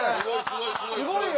すごいよ！